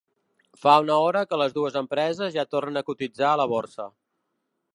Fa una hora que les dues empreses ja tornen a cotitzar a la borsa.